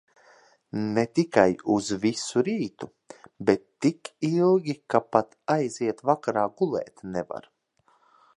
Ne tikai uz visu rītu, bet tik ilgi, ka pat aiziet vakarā gulēt nevar.